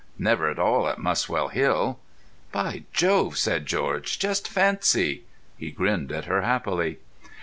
Never at all at Muswell Hill." "By Jove!" said George, "just fancy." He grinned at her happily.